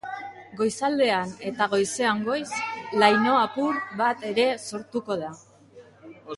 Goizaldean eta goizean goiz, laino apur bat ere sortuko da.